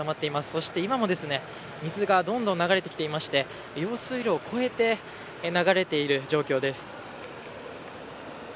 そして、今もですね水がどんどん流れてきていて用水路を越えて流れてきている状況です。